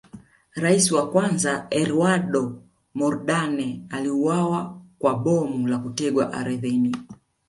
Rais wa kwanza Eduardo Mondlane aliuawa kwa bomu la kutegwa ardhini